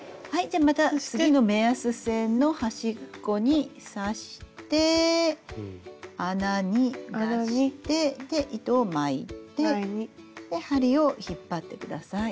じゃあまた次の目安線の端っこに刺して穴に出してで糸を巻いて針を引っ張ってください。